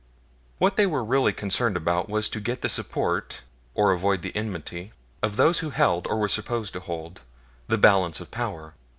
What they were really concerned about was to get the support, or avoid the enmity, of those who held, or were supposed to hold, the balance of power.